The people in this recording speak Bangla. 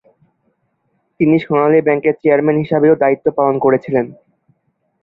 তিনি সোনালী ব্যাংকের চেয়ারম্যান হিসাবেও দায়িত্ব পালন করেছিলেন।